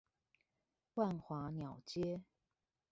萬華鳥街